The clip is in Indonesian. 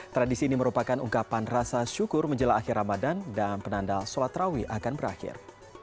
tradisi ini merupakan ungkapan rasa syukur menjelang akhir ramadan dan penandal sholat rawi akan berakhir